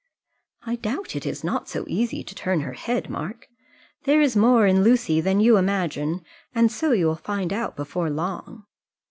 "I doubt it is not so easy to turn her head, Mark. There is more in Lucy than you imagine, and so you will find out before long."